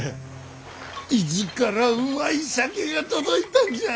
伊豆からうまい酒が届いたんじゃ。